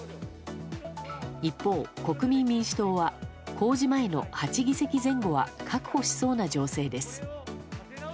一方、国民民主党は公示前の８議席前後は確保しそうな情勢です。